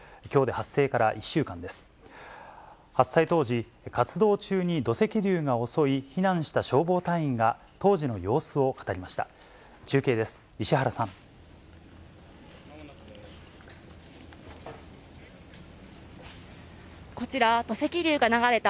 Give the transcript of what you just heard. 発生当時、活動中に土石流が襲い、避難した消防隊員が、当時の様子を語りました。